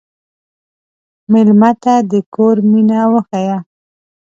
مېلمه ته د کور مینه وښیه.